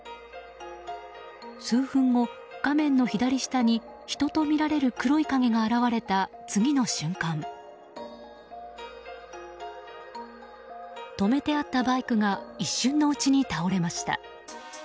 数分後、画面の左下に人とみられる黒い影が現れた次の瞬間、止めてあったバイクが一瞬のうちに倒れました。